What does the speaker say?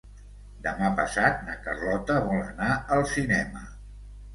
Demà passat na Carlota vol anar al cinema.